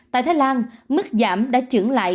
tại thái lan mức giảm đã trưởng lại